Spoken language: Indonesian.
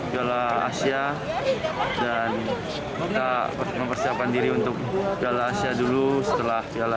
jalan asia dan kita mempersiapkan diri untuk jalan asia dulu setelah jalan